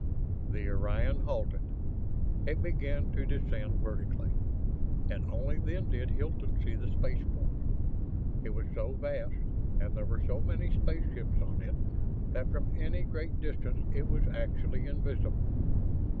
The Orion halted. It began to descend vertically, and only then did Hilton see the spaceport. It was so vast, and there were so many spaceships on it, that from any great distance it was actually invisible!